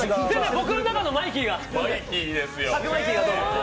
僕の中のマイキーが。